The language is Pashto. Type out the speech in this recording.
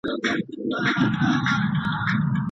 ادبیاتو پوهنځۍ له پامه نه غورځول کیږي.